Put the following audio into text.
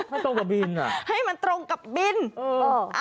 ให้ตรงกับบินอ่ะให้มันตรงกับบินเออ